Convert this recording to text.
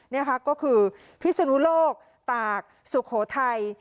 นี่ค่ะก็คือพิศนุโลกตากสุโขทัย